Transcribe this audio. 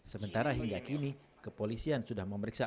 sementara hingga kini kepolisian sudah memeriksa